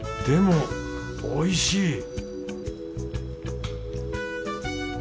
でもおいしい！